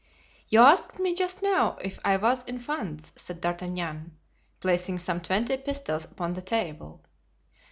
"You asked me just now if I was in funds," said D'Artagnan, placing some twenty pistoles upon the table.